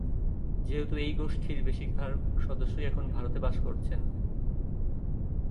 যেহেতু এই গোষ্ঠীর বেশিরভাগ সদস্যই এখন ভারতে বাস করছেন।